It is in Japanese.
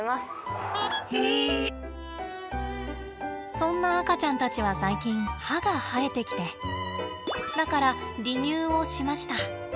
そんな赤ちゃんたちは最近歯が生えてきてだから離乳をしました。